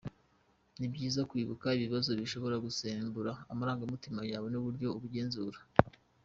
Ni byiza kwibuka ibibazo bishobora gusembura amarangamutima yawe n’uburyo ubigenzura.